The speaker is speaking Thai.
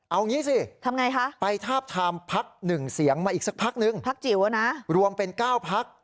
เอางี้สิไปทาบทามพักหนึ่งเสียงมาอีกสักพักหนึ่งรวมเป็น๙พัก